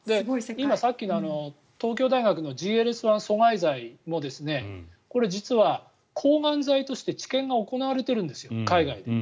さっきの東京大学のＧＬＳ１阻害剤のこれ、実は抗がん剤として海外で治験が行われているんです。